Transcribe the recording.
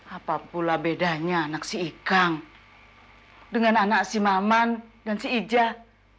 apa pula bedanya anak si ikang dengan anak si maman dan si ijah